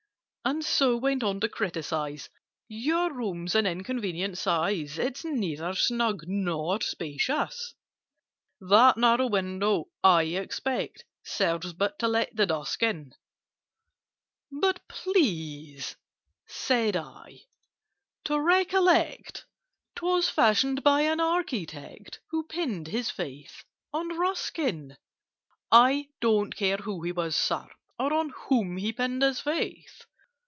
And so went on to criticise— "Your room's an inconvenient size: It's neither snug nor spacious. "That narrow window, I expect, Serves but to let the dusk in—" "But please," said I, "to recollect 'Twas fashioned by an architect Who pinned his faith on Ruskin!" "I don't care who he was, Sir, or On whom he pinned his faith!